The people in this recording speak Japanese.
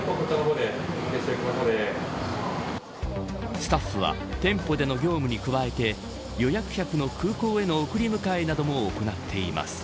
スタッフは店舗での業務に加えて予約客の空港への送り迎えなども行っています。